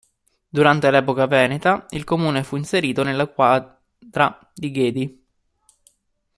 Durante l'epoca veneta, il comune fu inserito nella quadra di Ghedi.